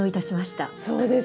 そうですね。